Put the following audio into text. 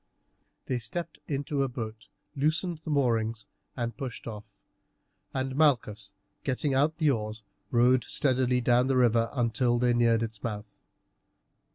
They stepped into a boat, loosened the moorings, and pushed off, and Malchus, getting out the oars, rowed steadily down the river until they neared its mouth.